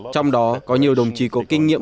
trong đó có nhiều đồng chí có kinh nghiệm